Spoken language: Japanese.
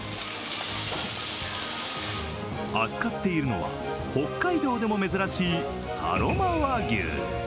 扱っているのは、北海道でも珍しいサロマ和牛。